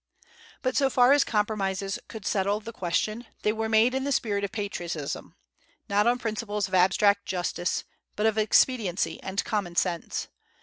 But so far as compromises could settle the question, they were made in the spirit of patriotism, not on principles of abstract justice, but of expediency and common sense.